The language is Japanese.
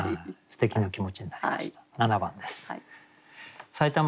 すてきな気持ちになりました。